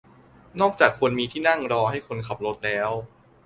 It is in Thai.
นอกจากควรมีที่นั่งรอให้คนขับรถแล้ว